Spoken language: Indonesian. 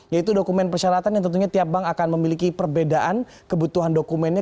yaitu dokumen persyaratan yang tentunya tiap bank akan memiliki perbedaan kebutuhan dokumennya